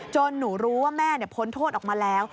จนหนูรู้ว่าแม่เนี่ยพ้นโทษออกมาแล้ว